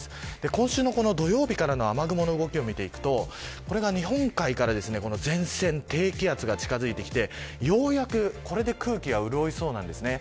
今週の土曜日からの雨雲の動きを見ると日本海から前線、低気圧が近づいてきてようやく、これで空気が潤いそうなんですね。